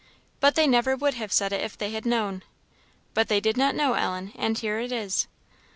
"But they never would have said it if they had known!" "But they did not know, Ellen; and here it is."